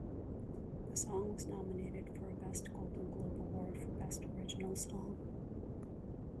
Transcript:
The song was nominated for a Golden Globe Award for Best Original Song.